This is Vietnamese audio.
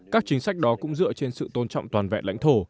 các chính sách đó cũng dựa trên sự tôn trọng toàn vẹn lãnh thổ